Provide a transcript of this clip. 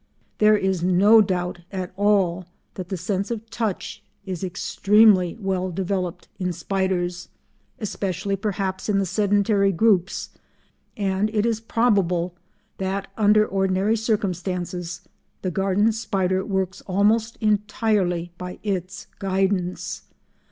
There is no doubt at all that the sense of touch is extremely well developed in spiders, especially perhaps, in the sedentary groups, and it is probable that, under ordinary circumstances, the garden spider works almost entirely by its guidance.